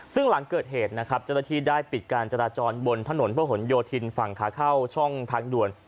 ซึ่งหลังเกิดเหตุเจ้าและทีได้ปิดการจราจรบนถนนภพโยธินฯฝั่งขาเข้าช่องทางด่วน